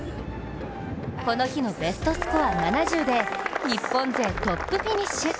この日のベストスコア７０で日本勢トップフィニッシュ！